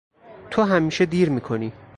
تو همیشه دیر میکنی!